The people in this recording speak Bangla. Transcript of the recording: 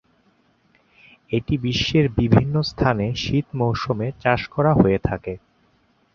এটি বিশ্বের বিভিন্ন স্থানে শীত মৌসুমে চাষ করা হয়ে থাকে।